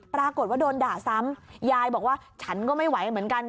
ปรากฏว่าโดนด่าซ้ำยายบอกว่าฉันก็ไม่ไหวเหมือนกัน